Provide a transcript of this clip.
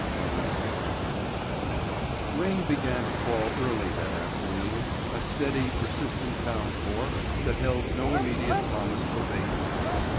Chapter Nine Rain began to fall early that afternoon, a steady persistent downpour that held no immediate promise of abatement.